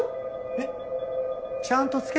えっ？